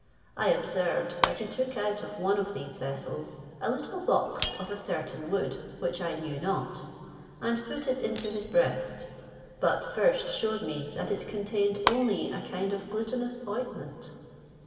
I observed that he took out of one of these vessels a little box of a certain wood, which I knew not, and put it into his breast; but first shewed me that it contained only a kind of glutinous ointment.